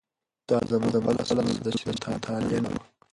دا زموږ خپله ستونزه ده چې مطالعه نه لرو.